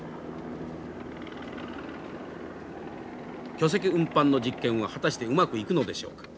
巨石運搬の実験は果たしてうまくいくのでしょうか。